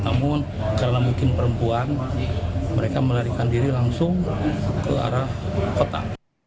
namun karena mungkin perempuan mereka melarikan diri langsung ke arah kota